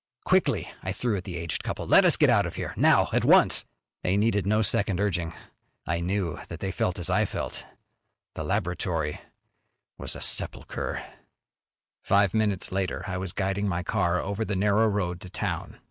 "Quickly!" I threw at the aged couple. "Let us get out of here! Now! At once!" They needed no second urging. I knew that they felt as I felt: the laboratory was a sepulcher! Five minutes later I was guiding my car over the narrow road to town.